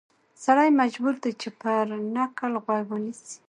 سړی مجبور دی چې پر نکل غوږ ونیسي.